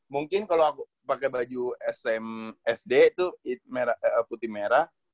mungkin kalo aku pake baju sd itu putih merah